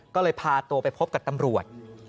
ก็เลยพาตัวไปพบกับตำรวจ